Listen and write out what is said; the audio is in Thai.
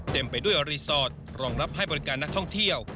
เต็มไปด้วยรีสอร์ทรองรับให้บริการนักท่องเที่ยว